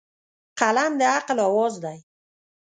قلم د عقل اواز دی